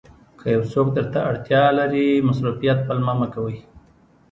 که یو څوک درته اړتیا لري مصروفیت پلمه مه کوئ.